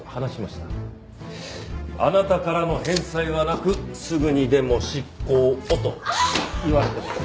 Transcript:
あなたからの返済はなくすぐにでも執行をと言われてます。